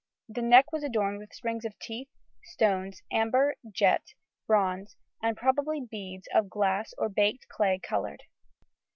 The neck was adorned with strings of teeth, stones, amber, jet, bronze, and probably beads of glass or baked clay coloured.